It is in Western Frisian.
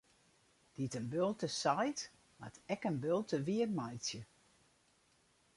Dy't in bulte seit, moat ek in bulte wiermeitsje.